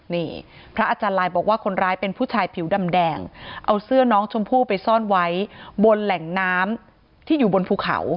นี่พระอาจารย์ลายบอกว่าคนร้ายเป็นผู้ชายผิวดำแดงเอาเสื้อน้องชมพู่ไปซ่อนไว้บนแหล่งน้ำที่อยู่บนภูเขา